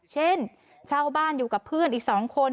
เช่นเช่าบ้านอยู่กับเพื่อนอีก๒คน